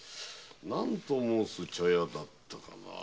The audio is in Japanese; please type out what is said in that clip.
何と申す茶屋だったかなあ。